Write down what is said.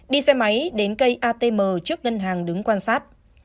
đi xe máy đến cây atm trước ngân hàng đứng quan sát